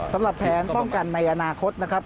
สำหรับแผนป้องกันในอนาคตนะครับ